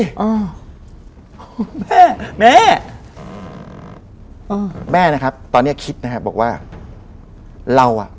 อ่าแม่แม่อืมอ่าแม่นะครับตอนเนี้ยคิดนะครับบอกว่าเราอ่ะ